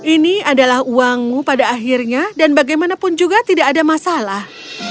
ini adalah uangmu pada akhirnya dan bagaimanapun juga tidak ada masalah